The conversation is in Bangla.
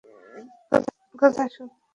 কথা সত্য, সেলভাম।